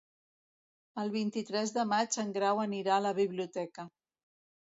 El vint-i-tres de maig en Grau anirà a la biblioteca.